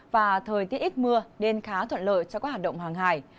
và thời tiết ít mưa nên khá thuận lợi cho các hoạt động hàng hải